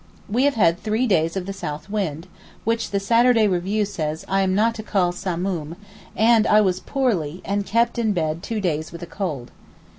We have had three days of the south wind, which the 'Saturday Review' says I am not to call Samoom; and I was poorly, and kept in bed two days with a cold.